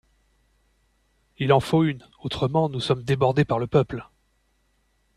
Il en faut une, autrement nous sommes débordés par le peuple.